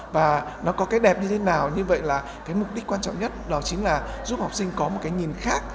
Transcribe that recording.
và nó có cái đẹp như thế nào như vậy là cái mục đích quan trọng nhất đó chính là giúp học sinh có một cái nhìn khác